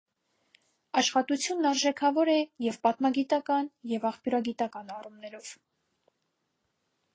Աշխատությունն արժեքավոր է և պատմագիտական, և աղբյուրագիտական առումներով։